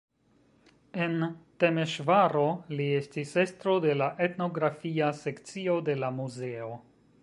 En Temeŝvaro li estis estro de la etnografia sekcio de la muzeo.